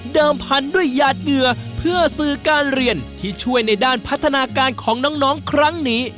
พันธุ์ด้วยหยาดเหงื่อเพื่อสื่อการเรียนที่ช่วยในด้านพัฒนาการของน้องครั้งนี้